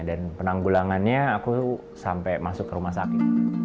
dan penanggulangannya aku sampai masuk ke rumah sakit